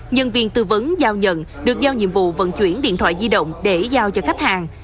nhân viên tư vấn giao nhận được giao nhiệm vụ vận chuyển điện thoại di động để giao cho khách hàng